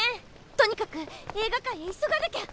とにかく映画館へ急がなきゃ。